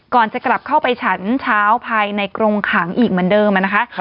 ก่อนจะกลับเข้าไปฉันเช้าภายในกรงขังอีกเหมือนเดิมนะคะ